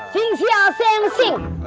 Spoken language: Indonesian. sing sia sem sing